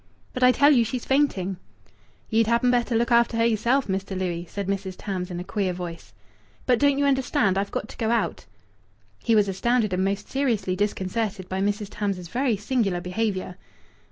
"But I tell you she's fainting." "Ye'd happen better look after her yerself, Mr. Louis," said Mrs. Tams in a queer voice. "But don't you understand I've got to go out?" He was astounded and most seriously disconcerted by Mrs. Tams's very singular behaviour.